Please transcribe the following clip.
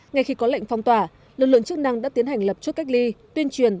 ngay khi có lệnh phong tỏa lực lượng chức năng đã tiến hành lập chốt cách ly tuyên truyền